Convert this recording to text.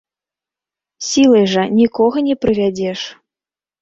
Сілай жа нікога не прывядзеш.